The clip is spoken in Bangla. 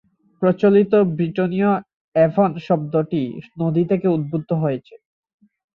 প্রচলিত ব্রিটোনীয় অ্যাভন শব্দটি "নদী" থেকে উদ্ভূত হয়েছে।